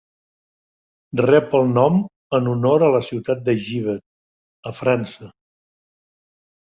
Rep el nom en honor a la ciutat de Givet, a França.